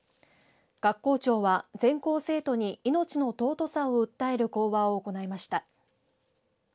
学校長は全校生徒に命の尊さを訴える講話を行いました。